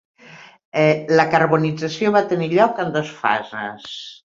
La carbonització va tenir lloc en dos fases.